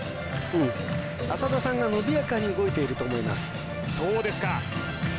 浅田さんが伸びやかに動いていると思いますそうですか